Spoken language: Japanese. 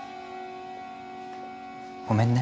ごめんね。